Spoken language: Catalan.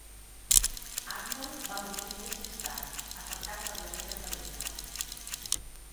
Arnold va morir un mes més tard, afectat per la febre calenta.